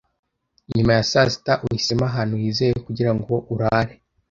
Nyuma ya saa sita uhisemo ahantu hizewe kugirango urare,